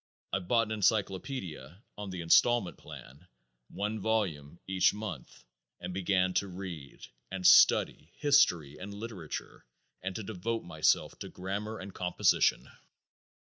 I bought an encyclopedia on the installment plan, one volume each month, and began to read and study history and literature and to devote myself to grammar and composition.